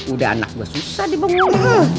udah anak gua susah dibangun